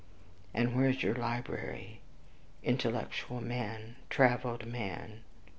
And where's your library, intellectual man, traveled man?"